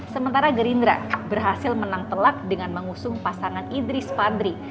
sementara gerindra berhasil menang telak dengan mengusung pasangan idris fadri